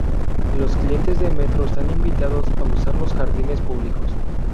Los clientes de Metro están invitados a usar los jardines públicos.